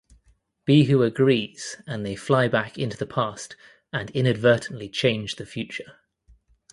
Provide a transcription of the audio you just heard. Bihu agrees and they fly back into the past and inadvertently change the future.